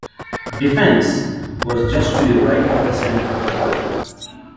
"Defence" was just to the right of the centre of the line.